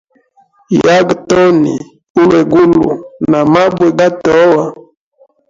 Yaga toni ulwegulu na mabwe gatowa.